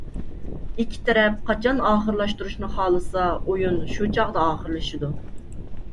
ئىككى تەرەپ قاچان ئاخىرلاشتۇرۇشنى خالىسا، ئويۇن شۇ چاغدا ئاخىرلىشىدۇ.